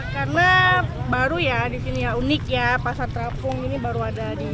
karena baru ya di sini unik ya pasar terapung ini baru ada di sini